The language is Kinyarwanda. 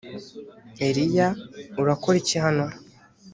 eliya urakora iki hano.